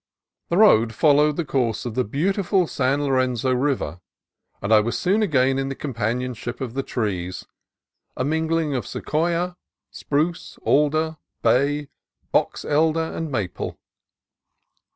The road fol lowed the course of the beautiful San Lorenzo River, and I was soon again in the companionship of the trees, — a mingling of sequoia, spruce, alder, bay, box elder, and maple.